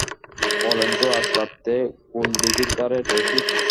বলেন তো আজ রাত্রে গোলদিঘির ধারে– রসিক।